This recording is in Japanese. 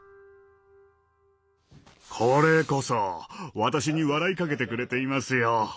これこそ私に笑いかけてくれていますよ！